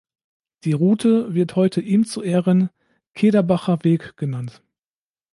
Die Route wird heute ihm zu Ehren "Kederbacher-Weg" genannt.